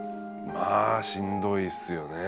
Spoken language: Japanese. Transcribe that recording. まあしんどいっすよね。